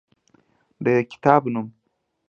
د کتاب نوم: